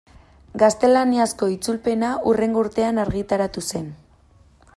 Gaztelaniazko itzulpena hurrengo urtean argitaratu zen.